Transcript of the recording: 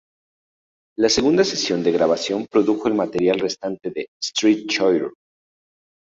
La segunda sesión de grabación produjo el material restante de "Street Choir".